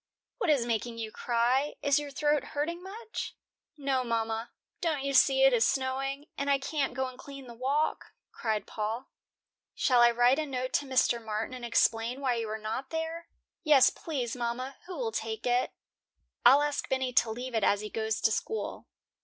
"What is making you cry? Is your throat hurting much?" "No, mama. Don't you see it is snowing, and I can't go and clean the walk?" cried Paul. "Shall I write a note to Mr. Martin and explain why you are not there?" "Yes, please, mama. Who will take it?" "I'll ask Bennie to leave it as he goes to school."